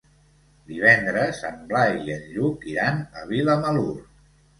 Divendres en Blai i en Lluc iran a Vilamalur.